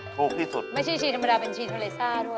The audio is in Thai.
ถูกที่สุดไม่ใช่ชีธรรมดาเป็นชีเทอร์เลซ่าด้วย